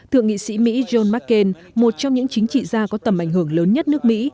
thượng nghị sĩ mỹ john mccain một trong những chính trị gia có tầm ảnh hưởng lớn nhất nước mỹ